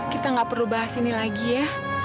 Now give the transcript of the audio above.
kita gak perlu bahas ini lagi ya